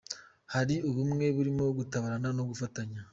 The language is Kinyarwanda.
Hari ubumwe burimo gutabarana no gufatanya.